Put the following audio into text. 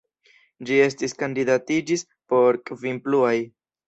Ĝi estis kandidatiĝis por kvin pluaj.